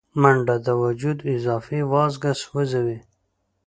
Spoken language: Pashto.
منډه د وجود اضافي وازګه سوځوي